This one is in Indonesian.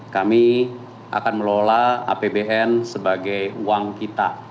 kami akan melola apbn sebagai uang kita